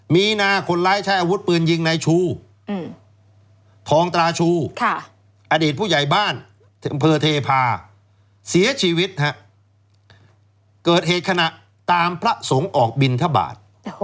มีนาคนร้ายใช้อาวุธปืนยิงในชูทองตราชูอดีตผู้ใหญ่บ้านอำเภอเทพาเสียชีวิตฮะเกิดเหตุขณะตามพระสงฆ์ออกบินทบาท